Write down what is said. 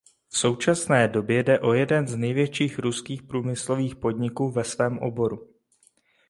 V současné době jde o jeden z největších ruských průmyslových podniků ve svém oboru.